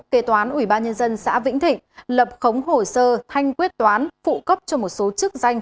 kế toán ubnd xã vĩnh thịnh lập khống hồ sơ thanh quyết toán phụ cấp cho một số chức danh